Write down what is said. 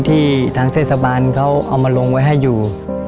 ทางเทศบาลเขาเอามาลงไว้ให้อยู่